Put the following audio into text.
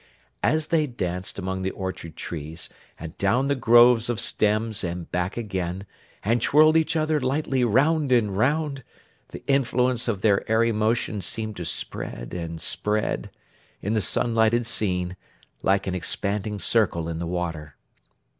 As they danced among the orchard trees, and down the groves of stems and back again, and twirled each other lightly round and round, the influence of their airy motion seemed to spread and spread, in the sun lighted scene, like an expanding circle in the water.